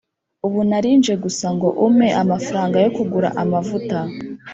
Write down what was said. Ubu nari nje gusa ngo umpe amafaranga yo kugura amavuta